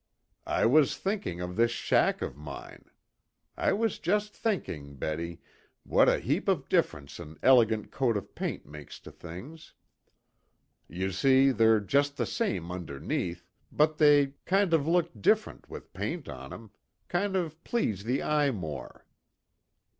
"I was thinking of this shack of mine. I was just thinking, Betty, what a heap of difference an elegant coat of paint makes to things. You see, they're just the same underneath, but they kind of look different with paint on 'em, kind of please the eye more."